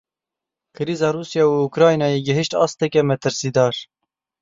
Krîza Rûsya û Ukraynayê gihîşt asteke metirsîdar.